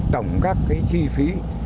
tổng các cái chi phí